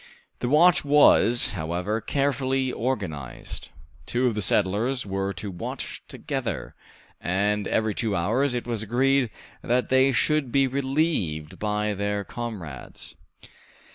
The watch was, however, carefully organized. Two of the settlers were to watch together, and every two hours it was agreed that they should be relieved by their comrades.